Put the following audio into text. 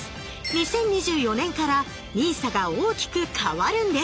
２０２４年からＮＩＳＡが大きく変わるんです。